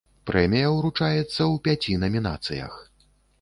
Прэмія ўручаецца ў пяці намінацыях.